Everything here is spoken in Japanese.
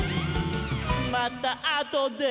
「またあとで」